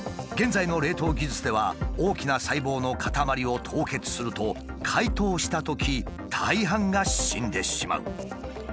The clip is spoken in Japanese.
現在の冷凍技術では大きな細胞の固まりを凍結すると解凍したとき大半が死んでしまう。